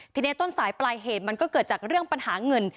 ทีนี้ต้นสายปลายเหตุมันก็เกิดจากเรื่องปัญหาเงิน